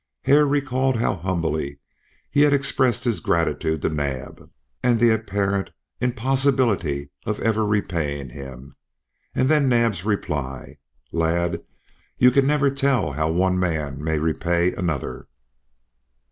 Hare recalled how humbly he had expressed his gratitude to Naab, and the apparent impossibility of ever repaying him, and then Naab's reply: "Lad, you can never tell how one man may repay another."